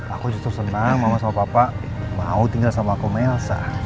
aku justru senang mama sama papa mau tinggal sama aku melsa